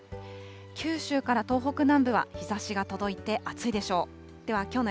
九州から東北南部は日ざしが届いて暑いでしょう。